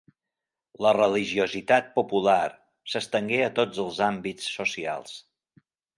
La religiositat popular s'estengué a tots els àmbits socials.